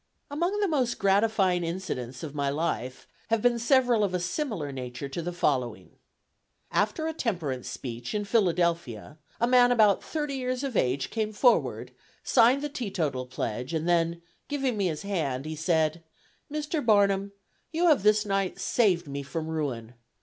Among the most gratifying incidents of my life have been several of a similar nature to the following: After a temperance speech in Philadelphia, a man about thirty years of age came forward, signed the teetotal pledge, and then, giving me his hand, he said, "Mr. Barnum, you have this night saved me from ruin.